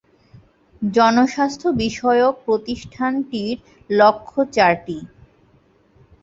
জনস্বাস্থ্য বিষয়ক প্রতিষ্ঠানটির লক্ষ্য চারটি।